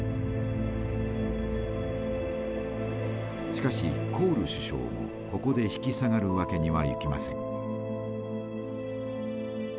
しかしコール首相もここで引き下がるわけにはいきません。